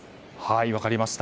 分かりました。